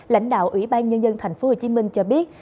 lãnh đạo ủy ban nhân dân thành phố hồ chí minh cho biết